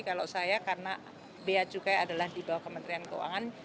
kalau saya karena beacukai adalah di bawah kementerian keuangan